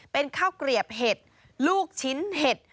เป็นข้าวเกลียบเห็ดลูกชิ้นเห็ด